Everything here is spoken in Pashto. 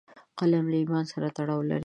قلم له ایمان سره تړاو لري